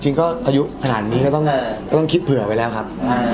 จริงก็พายุขนาดนี้ก็ต้องคิดเผื่อไว้แล้วครับ